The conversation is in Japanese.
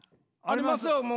ありますよ。